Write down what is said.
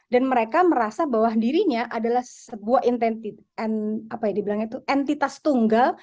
dan mereka merasa bahwa dirinya adalah sebuah entitas tunggal